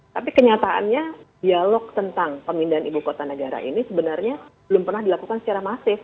tapi kenyataannya dialog tentang pemindahan ibu kota negara ini sebenarnya belum pernah dilakukan secara masif